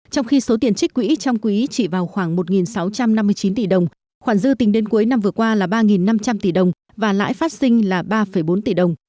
trong khi số tiền trích quỹ trong quý chỉ vào khoảng một sáu trăm năm mươi chín tỷ đồng khoản dư tính đến cuối năm vừa qua là ba năm trăm linh tỷ đồng và lãi phát sinh là ba bốn tỷ đồng